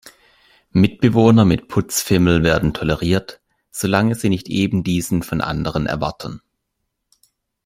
Mitbewohner mit Putzfimmel werden toleriert, solange sie nicht eben diesen von anderen erwarten.